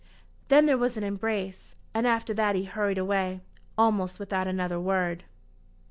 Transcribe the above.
Then there was an embrace, and after that he hurried away, almost without another word.